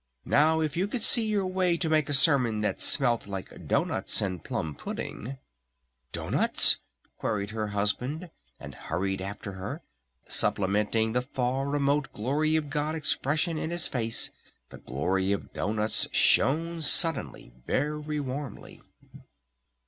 "Now if you could see your way to make a sermon that smelt like doughnuts and plum pudding " "Doughnuts?" queried her Husband and hurried after her. Supplementing the far, remote Glory of God expression in his face, the glory of doughnuts shone suddenly very warmly.